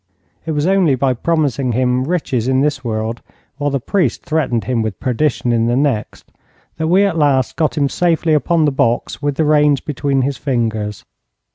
It was only by promising him riches in this world, while the priest threatened him with perdition in the next, that we at last got him safely upon the box with the reins between his fingers.